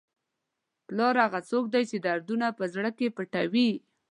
پلار هغه څوک دی چې دردونه په زړه کې پټوي.